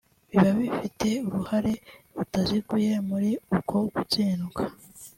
biba bifite uruhare rutaziguye muri uko gutsindwa